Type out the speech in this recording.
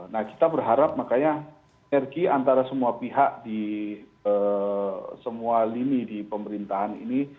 nah kita berharap makanya energi antara semua pihak di semua lini di pemerintahan ini